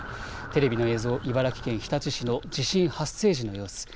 テレビの映像、茨城県日立市の地震発生時の様子。